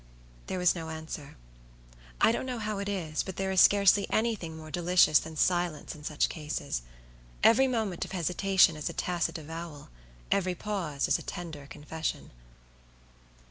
There was no answer. I don't know how it is, but there is scarcely anything more delicious than silence in such cases. Every moment of hesitation is a tacit avowal; every pause is a tender confession.